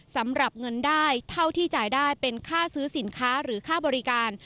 สำหรับเงินได้เท่าที่จ่ายได้เป็นค่าซื้อสินค้าหรือค่าบริการ